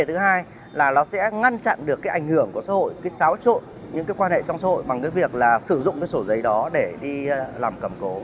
thứ hai là nó sẽ ngăn chặn được cái ảnh hưởng của xã hội cái xáo trộn những cái quan hệ trong xã hội bằng cái việc là sử dụng cái sổ giấy đó để đi làm cầm cố